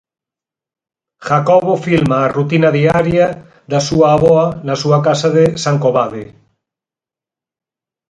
Jacobo filma a rutina diaria da súa avoa na súa casa de Sancovade.